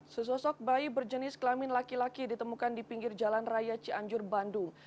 sesosok bayi berjenis kelamin laki laki ditemukan di pinggir jalan raya cianjur bandung